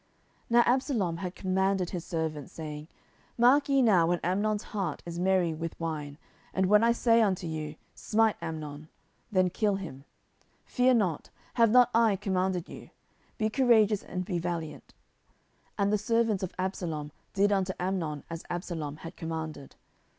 10:013:028 Now Absalom had commanded his servants, saying, Mark ye now when Amnon's heart is merry with wine, and when I say unto you, Smite Amnon; then kill him, fear not: have not I commanded you? be courageous, and be valiant. 10:013:029 And the servants of Absalom did unto Amnon as Absalom had commanded.